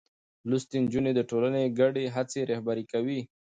لوستې نجونې د ټولنې ګډې هڅې رهبري کوي.